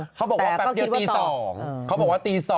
เขาบอกว่าที่๒